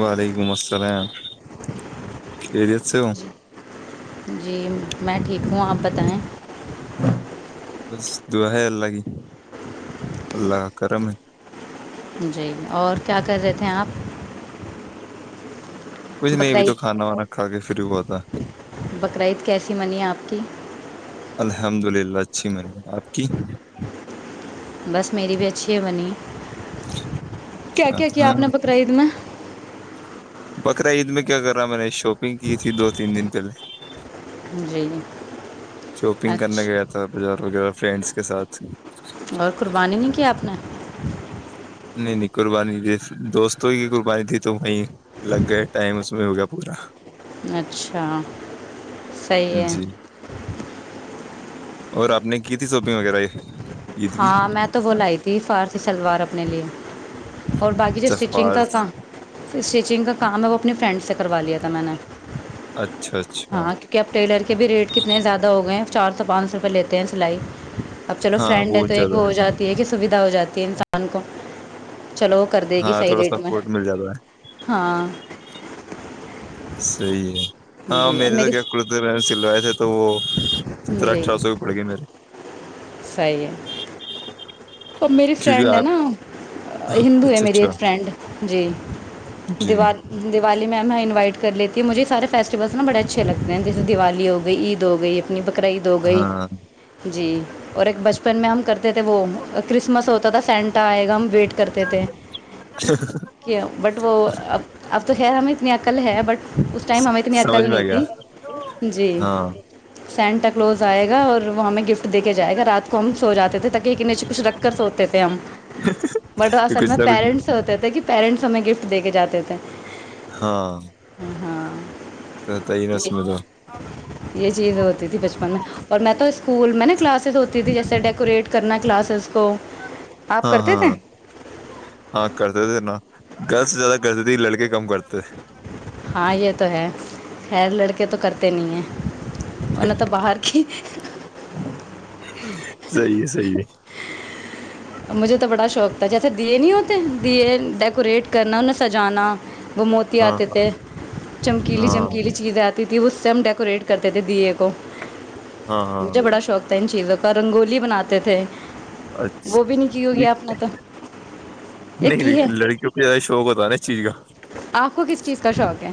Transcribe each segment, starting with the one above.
وعلیکم السلام چرے جی جی میں ٹھیک ہوں آپ بتائیں بس دعا ہے اللہ کی اللہ کا کرم ہے جی اور کیا کر رہے تھے آپ کچھ نہیں ابھی تو بقرعید کھانا وانا کھا کے پھر ہوا تھا بقرعید کیسی بنی آپ کی الحمد للہ اچھی میں نے آپ کی بس میری بھی اچھی ہے بنی کیا کیا کیا ہاں آپ نے پکڑائی ت میں بقرا عید میں کیا کر رہا میں نے شاپنگ کی تھی دو تین دن پہلے ج جری شاپنگ کرنے گیا تھا بار وغیرہ فرینڈس کے ساتھ اور قربانی نہیں کی آپ نے نہیں نہیں قربانی تھی دوستوں کی قربانی تھی تو وہیں لگ گئے ٹائم اس میں ہو گیا پورا اچھا صحیح ہے جی اور آپ نے کی تھی سوپنگ وغیرہ یہ ہاں میں تو ب لائی تھی فار اس شلوار اپنے لیے اور باقی جو اسٹیچنگ جفار کا کام اسٹیچنگ کا کام ہے وہ اپنی فرینڈ سے کروا لیا تھا میں نے اچھا اچھا ہاں کیونکہ اب ٹیلر کے بھی ریٹ کتنے زیادہ ہو گئے ہیں چار سو پانچ سو روپے لیتے ہیں سلائی اب چلو ہاں فرینڈ بہت ہے زیادہ وہ ہو جاتی ہے کہ سویدھا ہو جاتی ہے انسان کو چلو کر دے گی ہاں صحیح تھوڑا ریٹ میں سپورٹ مل جاتا ہے ہاں صی ہے ہاں جی اب میرے تو میری کیا کرتے میں سلوائے تھے تو وہ سترہ جی اٹھارہ سو ہی پڑ گئے میرے صحیح ہے ا میری کیونکہ فرینڈ ہے نا آپ ہندو ہے اچھا میری اچھا ایک فرینڈ جی جی دیال دیوالی میماں انوائٹ کر لیتی ہ مجھے سے فیٹیولس نا بڑے اچھے لگتے ہیں جیسے دیوالی گئی عید ہو گئی اپنی قرعید ہو گئی ہاں جی اور ایک بچپن میں ہم کرتے وہ کسمس ہوتا د سینٹا آئے گا وٹ کرتے تھے کہ بٹ وہ ا تو ہی ہمیں اتنی اقل ہے بٹ اس ٹائم ہمیں اتنی سمجھ عقل میں آ نہیں گیا تھی جی ہاں سینٹا کلوز آئے گا اور وہ ہمیں گفٹ دے کے ج جائے گا رات کو ہم سو جے تھے تک کے نیچے کچھ رکھ کر سوتے تھے ہم بٹ یہ اصل میں کچھ نہ کچھ پیرنٹس سے ہوتے تھے کہ پییرنٹس ہمیں گفٹ دے کے جاتے تھے ہاں ہاں توتا ہی نس یہ ملو یہ چیز ہوتی تھی بچپن میں اور میں تو اس اسکول میں نے کلاس ہوتیھی جیسے ڈیکوریٹ ویٹ کرنا کلاسز کو آپ ہاں کرتے ہاں تھے ہاں کرتے تھ نہ گھر سے زیادہ کر دیتی لڑکے کم کرتے تھے۔ ہاں یہ تو ہے خیر لڑکے تو کرتے نہیں ہیں ا تو باہر کی [unintelligible] صی ہے صی ہے مجھے تو بڑا شوق تھا جیسے دیے نہیں ہوتے دیے ڈیکوریٹ کرنا انہیں سجانا وہ موتی ہاں آتے تھے چمکیلی ہاں چمکیلی چیزیں آتی تھیں وہ اسم ڈیکوریٹ کرتے تھے دی کو ہاں ہاں مجھے بڑا شوق ان چیزوں کا رنگولی بناتے تھے وہ بھی نہیں کی اچھا ہوگی یک آپ نے تو یہ کی ہے نہیں لڑکیوں کو زیادہ شوق ہوتا نا اس چیز کا آپ کو کس چیز کا شوق ہے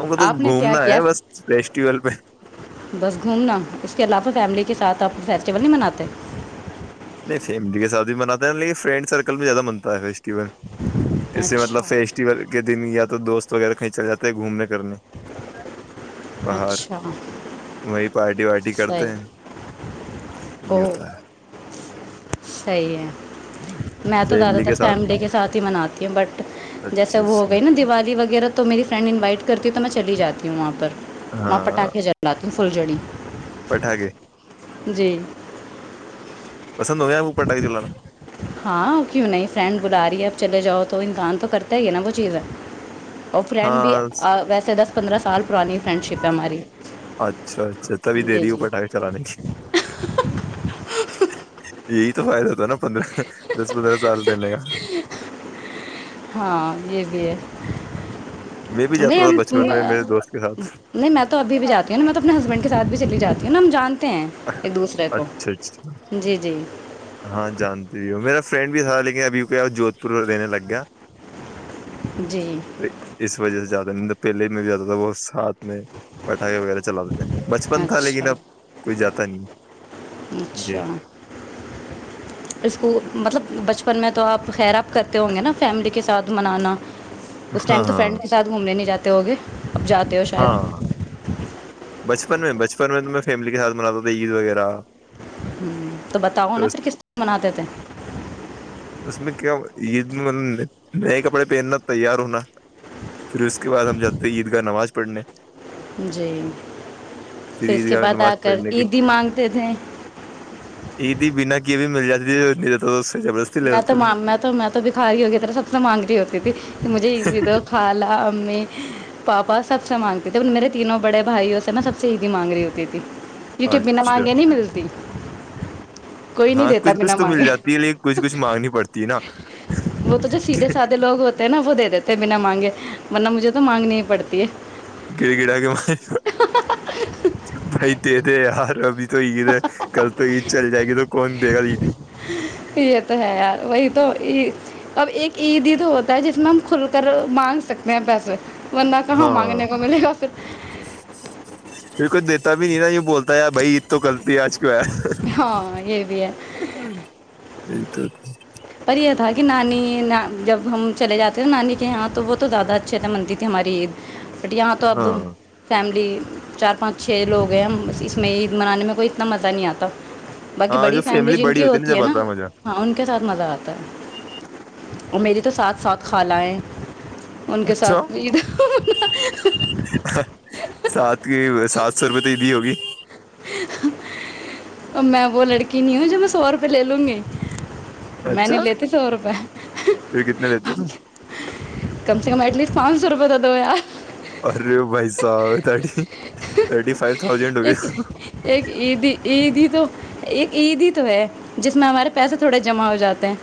ہم کو تو آپ نے کیا گھومنا کیا ہے بس فیسٹیول پہ بس گھومنا اس کے علاوہ فیملی کے کے ساتھ آپ فیسٹیول نہیں مناتے نہیں فیملی کےاتھ مناتے ن لیکن فرینڈ سرکل میں زیادہ بنتا ہے ول ایسے مطلب اچھا فیسٹیول کے دن یا تو دوست وغیرہ کہیں چلاتے ہیں گھومنے کرنی پہاڑ اچھا وہی پارٹی وارٹی کرتے ہیں صحیح یہ اوہ ہوتا ہے صحیح ہے میں تو زیادہ فیملی تر کے ساتھ فیملی کے ساتھ ہی مناتی ہوں بٹ جیسے اچھا وہ ہو اچھا گئی نا دیوالی وغیرہ تو میری فرینڈ انوائٹ کرتی تو میں چلی جاتی ہوں وہاں پر میں پٹاخے جللاات فھلجڑی پٹھا گے جی پسند ہو گ یا پ ڈا کے جا ہاں کیوں نہیں فرینڈ بلا رہی ہے اب چلے جاؤ تو انسان تو کرتا ہے ہی نا وہ چیز ہے اور فرینڈ بھی ہاں ویسے دس پندرہ سال پرانی فرینڈ شپ ہے ہماری اچھا اچھا تبھی دے جی رہی ہو جی پٹاخے چلانے یہی تو فائدہ ہو تھا نا پندرہ دس پندرہ سال پہ لے گا نہیں بچپن میں میرے دوست کے ساتھ نہیں میں تو ابھی بھی جاتی ہوں نا میں تو اپنے ہسبینڈ کے ساتھ بھی چلی جاتی ہوں انلمم جانتے ہیں ایک دوسرے کو اچھا اچھا جی جی ہاں جانتی میرا فرینڈ بھی تھا لیکن ابھیک جوھ پور رہنے لگ گیا جی تو اس وجہ سے زیادہ نند پہلے میرے زیاد تھا بہت ساتھ میں پٹاخے وغیرہ چلا دیتے ہیں بچپن تھا اچھا لیکن اب کوئی جاتا نہیں جی اچھا اسک مطلب بچپن میں تو آپ خیر آاب کرتے ہوں گے نا فیملی کے ساتھ منانا اس ہاں ٹائم تو فرینڈ ہاں کے سھ گھوم لینے جاتا ت ہو گے اب جاتے ہو ہاں شاید بچپن میں بچپن میں تو میں فیملی کےاتھ مناتا تھا عید وغیرہ ہ تو بتاؤ نا پھر کس مناتے تھے اس میں کیا یہ نئے کپڑے پہننا تیار ہونا پھر اس کے بعد ہم جاتے ہیں عید کا نماز پنے جی پھر اس عید کے گاہ بعد نماز آ کر پڑھنے کی عیدی مانگتے تھے جیے تو سے زبردستی لے میں تو لیتے تھے میں تو میں تو بکھا رہی ہو گی ترا سب سے مانگ رہی ہوتی تھی مجھے ا تو کھا لا امی پاپا سب سے مانگتی تھے میرے تینوں بڑے بھائیوں سے نا سب سے عیدی مانگ رہی ہوتی تھی کیونکہ بنا اچھا مانگے نہیں ملتی کوئی نہیں ہاں دیتا کچھ کچھ بنا تو مل مانگے جاتی ہے لیکن کچھ کچھ مانگنی پڑتی ہے نا وہ تو جو سیدھے سادے لوگ ہوتے ہیں نا وہ دے دیتے بنا مانگے ورنہ مجھے تو مانگنی ہی پڑتی ہے گڑ گڑا کے مار بھائی دے دے یار ابھی تو عید ہے کل تو عید چل جائے گی تو کون دے گا عیدی یہ تو ہے یار وہی تو اب ایک عید ہی تو ہوتی جس میں ہم کھل کر مانگ سکتے ہیں پیسے بندہ کہاں ہاں مانگنے کو ملے گا پھر ب نہیںای بولتا ہےی بھائی تول پیاج کیا ہے ہاں یہ بھی ہے یہ تو پر یہ تھا کہ نانی جب ہم چلے جاتے نا نانی کے یہاں تو وہ تو زیادہ اچھے منتی تھی ہماری عید بٹ یہاں تو اب ہاں فیملی چار پانچ چھ لوگ ہیں ہم اس میں عید منانے میں کوئی اتنا مزہ نہیں آتا باقی ہاں بڑی جو فیملی جن بڑی کی ہوتی ہے جب نا آتا مزہ ہاں ان کے ساتھ مزہ آتا ہے اور میری تو ساتھ ساتھ خالائیں اچھا سات کی سات سو روپئے تو ا بھیھی ہوگی ا میں وہ لڑکی نہیں ہوں جو میں سو روپئے لے لوں گی میں نہیں اچھا لیتی سو روپے پھر کتنے لیتے تم کم سے کم ایٹ لیسٹ پانچ سو روپئے د دو یار ارے بھائی صا ترٹی تھرٹی فائ ایک ایک عید عید ہی تو ایک عیدی تو ہے جس میں ہمارے پیسے تھوڑے جمع ہو جاتے ہیں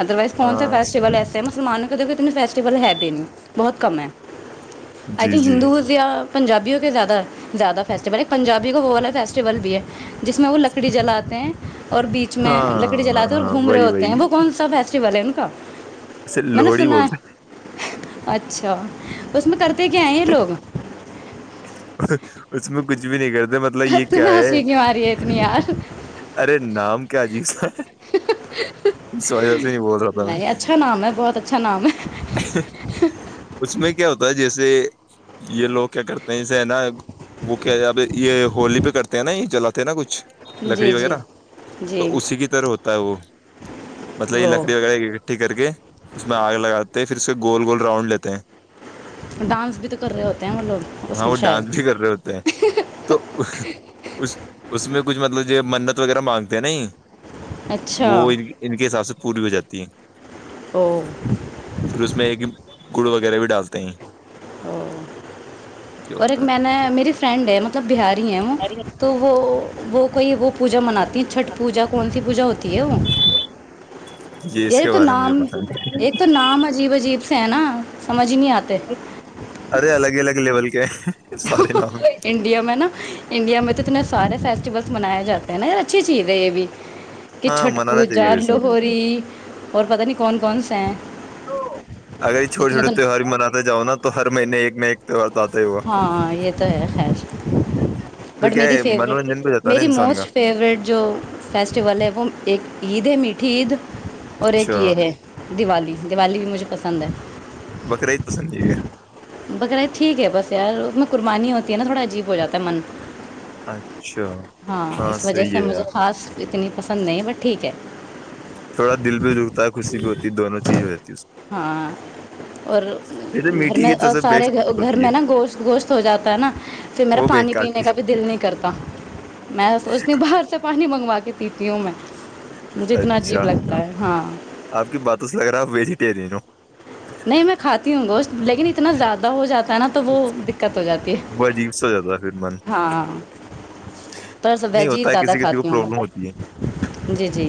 ادروائز کون سے ہاں فیسٹیول ایسے مسلمان کب کہ تن فیسٹیول ہے بھی نہیں بہت کم ہے آئی جی تھنک جی ہندوز یا پابی ہو کے زیادہ زیاد فیسول پنجابی کو وہ والا فیسٹیول بھی ہے جس میں وہ لکڑی جلاتے ہیں اور بیچ میں لکڑی ہاں جلاتے اور ہاں گھوم رہے ہوتے ہیں وہ کون ساسا شی والےین کا ایے میں نے لوہڑی سنا بولتے ہیں ہے اچھا توس میں کرتے گ آ ہیں ہیں لوگ ہیں۔ اس میں کچ بھی نہیں کہتا مطلب یہ کیا تمہیں ہے ہنسی کیوں آ رہی ہے اتنی یار ارے نام کیا جی اس کا اس وجہ سے نہیں بول رہا تھا میں اچھ ن میں ہے اس میں کیا ہوتا ہے جیسے یہ لوگ کیا کرتے ہیں جسے نا وہ کیا اب یہ ہولی پہ کرتے ہیں نا یہ چلاتے ہیں نا کچھ چ جی لکڑی جی وغیرہ تو جی اسی کی طرح ہوتا ہے وہ مطلب یہ وہ لکڑی وغیرہ اکٹھی کر کے اس میں آگ لگاتا پھر اسے گول گول رؤنڈ لیتے ہیں ڈانس بھی تو کر رہے ہوتے ہیں وہ لوگ اس ہاں میں وہ ڈانس بھی شاید کر رہے ہوتے ہیں تو اس میں کچھ مطلب جو منت وغیرہ مانگتے ہیں نہیں اچھا وہ ان ان کے حساب سے پوری ہو جاتی ہے ا پھر اس میں ایک گڑ وغیرہ بھی ڈالتے ہیں ا یہ اور ایک ہوتا ہے میں نے میری فرینڈ ہے م مطلب بہاری ہیں وہ تو وہ وہ کوئی وہ پوجا مناتی ہیں چھٹ پوجا کون سی پوجا ہوتی ہے وہ اس یہ کے تو بارے میں مجھے نام پتا ایک تو نام ہے عجیب عجیب ہے نا سمجھ ہی نہیں آتے ارے الگ ہی الگ لیول کے سور نو انڈیا میں نا انڈیا میں تو اتنے سارے فیسٹیولس منائے جاتے ہیںا اچھی چیز ہے یہ بھی کہ ہاں چھٹ منانا چاہیے پوجا ویسے لہری اور پتا نہیں کون کون سےا ہیں اگر یہ چھوٹے اتنے چھوٹے تو تیوار مناتے جاؤ نا تو ہر مہینے ایک میں ایک تو آتا ہی ہوا ہاں یہ تو ہے خیر پھر بٹ کیا میری ہے فیور منورنجن بھی ہو جاتا ہے نا میری انسان کا موسٹ فیوریٹ جو فیسٹیول ہے وہ ایک عید ہے میٹ ھیید اور اچھا ایک یہ ہے دیوالی دیوالی بھی مجھے پسند ہے بقرا عید پسند نہیں ہ ٹھیک ہے بس یار اس میں قربانی ہوتی ہے نا تھوڑا عجیب ہو جاتا ہے من ہے اچھا ہاں اس وجہ صحیح سے ہے مجھے یار خاص اتنی پسند نہیں بٹ ٹھیک ہے تھوڑا دل بھی رکتا ہے خوشی بھی ہوتی ہے دونوں چیز ہو ہے اس ہاں اور میں۔ ویسے گھر میٹھی میں کی تو اور سب سارے بیسٹ گھر ہوتی ہے میں نا گوشت گوشت ہو جاتا ہے نا پھر میرا وہ پانی بیکار پینے چیز کا بھی دل نہیں کرتا میں سوچتی ہوں باہر سے پانی منگ واقع تتھیوں میں مجھے اتنا اچھا عجیب لگتا ہے ہاں آپ کی باتوں سے اگرا آپ بھیج پرین نہیں میں کھاتی ہوں گوشت لیکن اتنا زیادہ ہو جاتا تھا نا تو وہ دقت ہو جاتی وہ ہے عجیب سا ہو جاتا ہے پھر من ہاں پرس نہیں ویج ہی ہوتا ہے زیادہ کسی کسی کو کھاتی ہوں پرابلم ہوتی ہے جی جی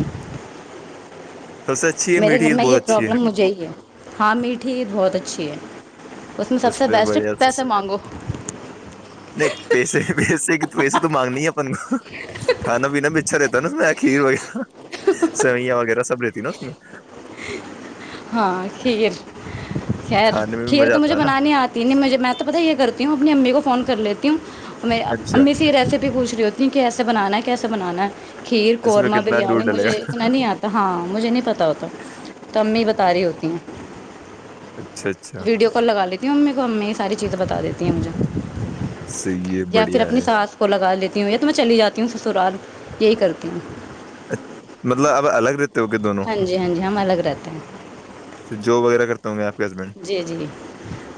سب سے اچھی ہے میرے میٹھی گھر عید میں یہ بہت اچھی پرابلم ہے مجھے ہی ہے ہاں میٹھی بہت اچھی ہے اس میں سب سے پہ بیسٹ بڑھیا س- پیسے مانگو ویسے تو مانگنی ہے اپن کو کھانا پینا ب اچھا رہتا ہے نا میںخھیر وغیرہ سیوئیاں وغیرہ سب رہتا نا س میں ہاں کھیر خیر کھانے میں بھی کھیر مزہ تو آتا مجھے ہے نا بنانی آتی ن مجھے میں تو پتاہ یہ کرتی ہوں اپنی امی کو فون کر لیتی ہوں اچھا امی سے ریسیپی بھی پوچ رہی ہوتی ہیں کہ کیس بنا ہے کیسے بنانا ہے کھیر اس میں قورمہ کتنا بریانی دودھ ڈلے گا مجھے اتنا نہیں آتا ہاں مجھے نہیں پتا ہوتا تو امی تاری ہوتی ہیں اچھا اچھا ویڈیو کال لگا لیتی امی کو امی یہ ساری چیزیں بتا دیتی ہیں مجھے صحیح ہے یا پھر بڑھیا اپنی ہے سس کو لگا لیتے ہوں یا تو میں چلی جاتی ہوں سسرال یہی کرتی ہوں اچ مطلب اب الگ رہی ہاں جی ہاں جی ہم الگ رہتے ہیں اچھا جاب وغیرہ کرتا ہوں میں آپ کے ہسبینڈ جی جی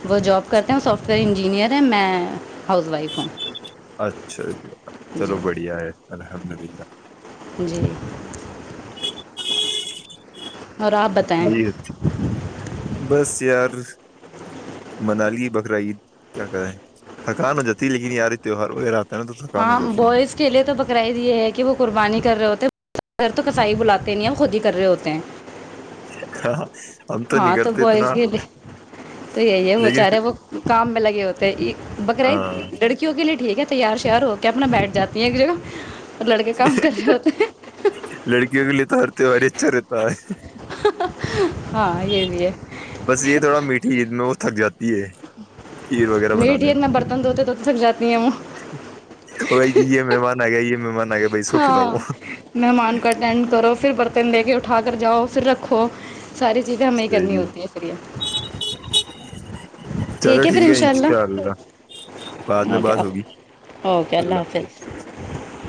وہ جاب کرتے ہیں چلو سافٹ ویئر انجینئر ہے میں ہاؤس وائف ہوں اچھا ج چلو جی بڑھیا ہے اللہ الحمد للہ جی ج اور آپ بتائیں جی بس یار منالی بکرا عید کیا کہ رہے ہیں تھکان ہو جاتی لیکن یار تیوار ہوات ہاں بوائز کے لیے تو بکرائی دی یہ ہے کہ وہ قربانی کر رہے ہوتےے ار تو کسائی بلاتے ہیں نہیں یا خود ہی کر رہے ہوتے ہیں ہاںاں ہاں تو بوائز کے لیے تو یہی ہے لیکن بچارے وہ کام میں لگے ہوتے ہیں پھر- بکراع ہاں لڑکیوں کے لیے ٹھیک ہے تیار شیار ہو کے اپنا بیٹھ جاتی ہیں ایک جگہ اور لڑکے کام کر رہے ہوتے ہیں لڑکیوں کے لیے تو ہ اور تیوہار اچھا رہتا ہے ہاں یہ بھی ہے بس یہ تھوڑا میٹھی میں تبت کھیر وغیرہ بنانے میڈیئر میں برتن دھوتے دھوتے تھک جاتی ہیں وہ کوئی ج یہ مہمان آ گ ہی یہ مہمان آ گیا بھائی اس کو کھلاؤ ہاں مہمان کا اٹینڈ کرو پھر برتن دے کے اٹھا کر جاؤ رکھو ساری چیزیں ہمیں ہی صحیح کرنی ہے، ہوتی ہیں پھر یہ ٹھیک ہے پھر ان شاء بعد اللہ میں اوکے بات ہوگی ا اوکے اللہ حافظ